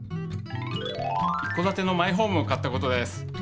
一戸だてのマイホームを買ったことです。